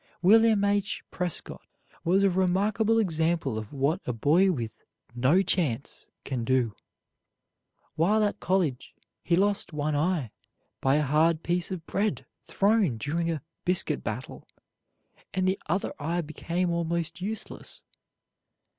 William H. Prescott was a remarkable example of what a boy with "no chance" can do. While at college, he lost one eye by a hard piece of bread thrown during a "biscuit battle," and the other eye became almost useless.